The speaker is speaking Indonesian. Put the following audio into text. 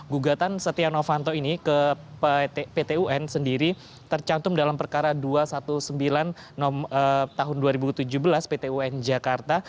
gugatan setia novanto ini ke pt un sendiri tercantum dalam perkara dua ratus sembilan belas tahun dua ribu tujuh belas pt un jakarta